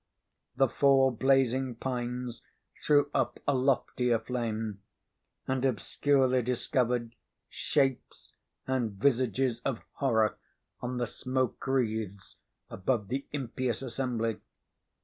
The four blazing pines threw up a loftier flame, and obscurely discovered shapes and visages of horror on the smoke wreaths above the impious assembly.